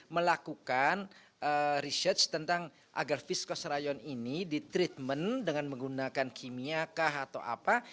melakukan research tentang agar viskoprayon ini ditreatment dengan menggunakan kimia kah atau apa